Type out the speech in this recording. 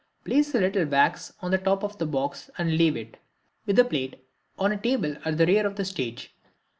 Place a little wax on the top of the box and leave it, with the plate, on a table at the rear of the stage.